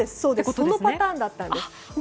そのパターンだったんです。